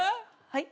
はい？